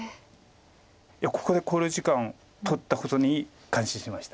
いやここで考慮時間取ったことに感心しました。